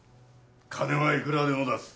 金はいくらでも出す。